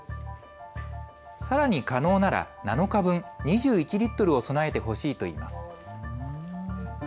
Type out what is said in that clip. さらに可能なら７日分、２１リットルを備えてほしいといいます。